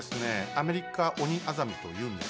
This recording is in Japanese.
アメリカオニアザミというんですけども。